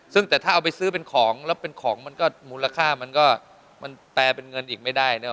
ซึ่งแต่ถ้าเอาไปซื้อเป็นของแล้วเป็นของมันก็มูลค่ามันก็มันแปลเป็นเงินอีกไม่ได้เนี่ย